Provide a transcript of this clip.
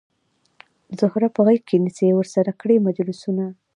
زهره په غیږ کې نیسي ورسره کړي مجلسونه